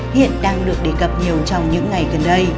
hiện đang được đề cập nhiều trong những ngày gần đây